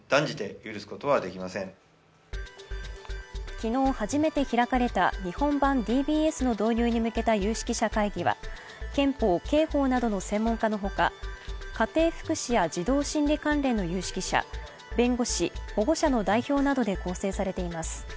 昨日初めて開かれた日本版ＤＢＳの導入に向けた有識者会議は憲法、刑法などの専門家のほか家庭福祉や児童心理関連の有識者、弁護士、保護者の代表などで構成されています。